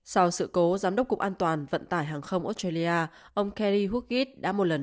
sau sự cố giám đốc cục an toàn vận tải hàng không australia ông kerry huggit đã một lần